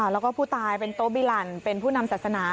แล้วก็ผู้ตายเป็นโต๊บิลันเป็นผู้นำศาสนา